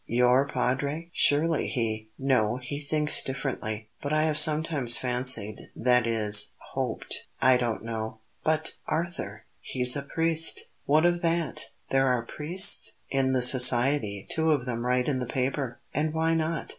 "Your Padre! Surely he " "No; he thinks differently. But I have sometimes fancied that is hoped I don't know " "But, Arthur! he's a priest." "What of that? There are priests in the society two of them write in the paper. And why not?